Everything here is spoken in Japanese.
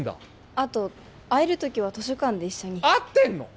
あと会えるときは図書館で一緒に会ってんの！？